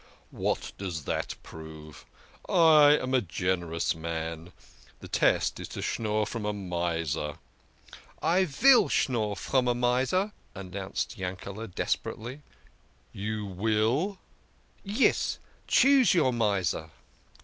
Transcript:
" What does that prove ? I am a generous man. The test is to schnorr from a miser." " I vill schnorr from a miser !" announced Yankele des perately. " You will !"" Yes. Choose your miser."